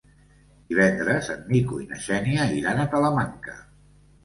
Divendres en Nico i na Xènia iran a Talamanca.